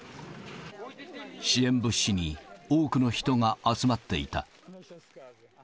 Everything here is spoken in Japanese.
支援物資に多くの人が集まっていた。